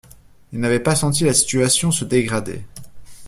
Il n’avait pas senti la situation se dégrader.